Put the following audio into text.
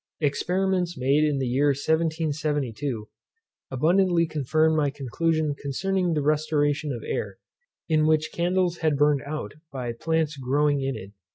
Experiments made in the year 1772, abundantly confirmed my conclusion concerning the restoration of air, in which candles had burned out by plants growing in it.